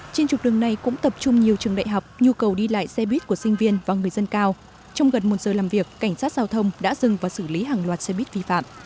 trên trục đường này cũng tập trung nhiều trường đại học nhu cầu đi lại xe buýt của sinh viên và người dân cao trong gần một giờ làm việc cảnh sát giao thông đã dừng và xử lý hàng loạt xe buýt vi phạm